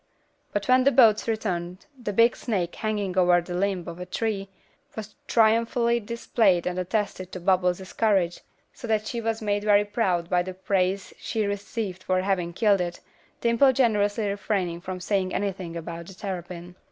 But when the boats returned, the big snake, hanging over the limb of a tree, was triumphantly displayed and attested to Bubbles' courage; so that she was made very proud by the praise she received for having killed it, Dimple generously refraining from saying anything about the terrapin.